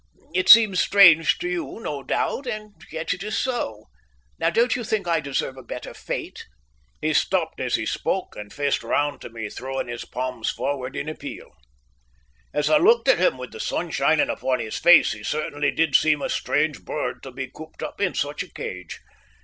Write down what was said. It seems strange to you, no doubt, and yet it is so. Now, don't you think I deserve a better fate?" He stopped as he spoke, and faced round to me, throwing his palms forward in appeal. As I looked at him, with the sun shining upon his face, he certainly did seem a strange bird to be cooped up in such a cage.